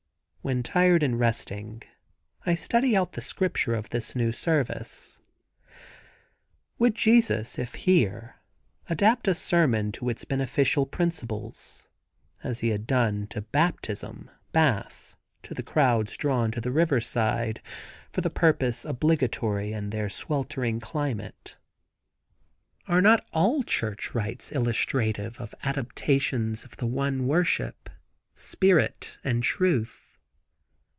When tired and resting I study out the scripture of this new service. Would Jesus (if here) adapt a sermon to its beneficial principles, as He had done to baptism (bath) of the crowds drawn to the river side for that purpose, obligatory in their sweltering climate? Are not all church rites illustrative of adaptations of the one worship—Spirit and Truth?